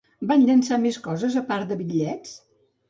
Van llençar més coses, a part de bitllets?